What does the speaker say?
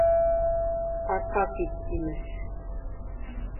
Артҡа кит, имеш.